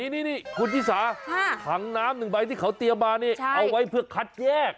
นี่คุณชิสาถังน้ำหนึ่งใบที่เขาเตรียมมานี่เอาไว้เพื่อคัดแยก